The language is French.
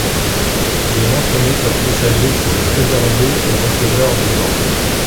Il est mentionné comme messager pour le trésorier et receveur de Gand.